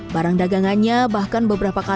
barang dagangannya bahkan beberapa kali